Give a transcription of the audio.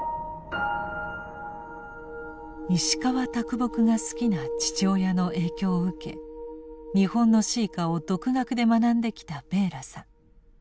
石川木が好きな父親の影響を受け日本の詩歌を独学で学んできたベーラさん。